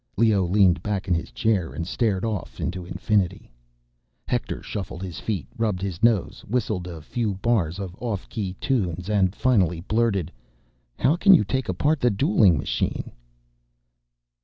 Leoh leaned back in his chair and stared off into infinity. Hector shuffled his feet, rubbed his nose, whistled a few bars of off key tunes, and finally blurted, "How can you take apart the dueling machine?"